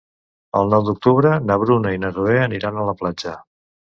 El nou d'octubre na Bruna i na Zoè aniran a la platja.